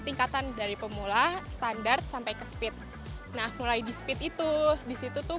tingkatan dari pemula standar sampai ke speed nah mulai di speed itu disitu tuh